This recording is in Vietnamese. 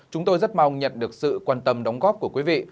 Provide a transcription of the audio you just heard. chúng tôi rất mong nhận được sự quan tâm đóng góp của quý vị